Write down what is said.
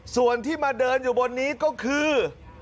ส่วนที่มาเดินอยู่บนนี้ก็คือ